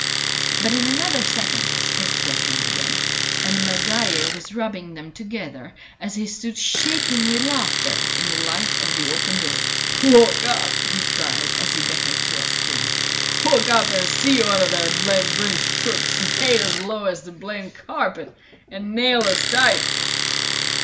But in another second his fists were hands again, and Maguire was rubbing them together as he stood shaking with laughter in the light of the open door. "Walk up!" he cried, as he beckoned to us three. "Walk up and see one o' their blamed British crooks laid as low as the blamed carpet, and nailed as tight!"